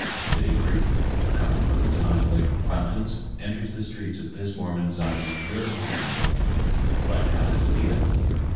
City Creek, coming from its high glacial fountains, enters the streets of this Mormon Zion pure as an angel, but how does it leave it?